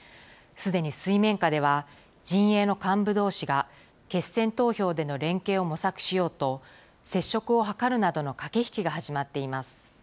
すでに水面下では、陣営の幹部どうしが決選投票での連携を模索しようと、接触を図るなどの駆け引きが始まっています。